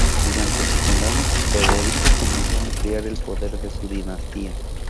Durante su condado, Federico comenzó a ampliar el poder de su dinastía.